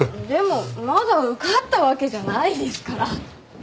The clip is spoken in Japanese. でもまだ受かったわけじゃないですから。